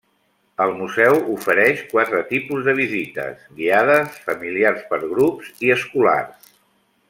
El Museu ofereix quatre tipus de visites: guiades, familiars, per grups i escolars.